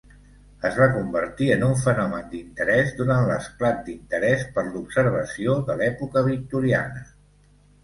Es va convertir en un fenomen d'interès durant l'esclat d'interès per l'observació de l'època victoriana.